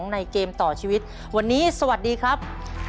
ในเกมต่อชีวิตวันนี้สวัสดีครับ